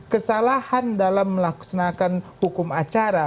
kesalahan dalam melaksanakan hukum acara